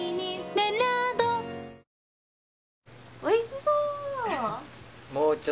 おいしそう。